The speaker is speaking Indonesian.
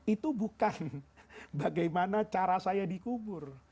itu bukan bagaimana cara saya dikubur